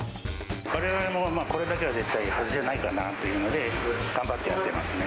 われわれもこれだけは絶対に外せないというので、頑張ってやってますね。